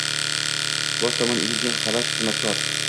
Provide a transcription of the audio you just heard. Bosh tomon egilgan habash xizmatkor